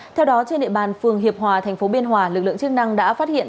theo đó trên địa bàn phường hiệp hòa thành phố biên hòa lực lượng chức năng đã phát hiện